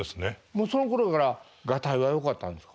もうそのころからがたいはよかったんですか？